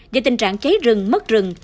vì tình trạng cháy rừng mất rừng